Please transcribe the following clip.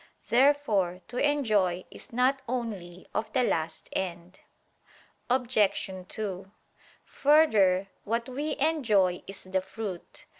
Therefore to enjoy is not only of the last end. Obj. 2: Further, what we enjoy is the fruit.